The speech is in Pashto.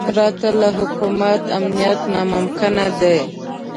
پرته له حکومت امنیت ناممکن دی.